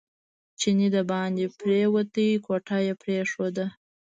چینی دباندې پرېوت کوټه یې پرېښوده.